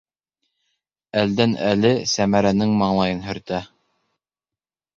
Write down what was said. Әлдән-әле Сәмәрәнең маңлайын һөртә.